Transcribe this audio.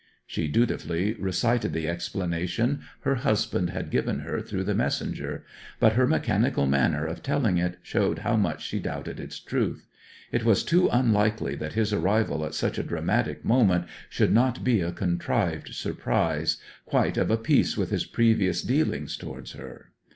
She dutifully recited the explanation her husband had given her through the messenger; but her mechanical manner of telling it showed how much she doubted its truth. It was too unlikely that his arrival at such a dramatic moment should not be a contrived surprise, quite of a piece with his previous dealings towards her.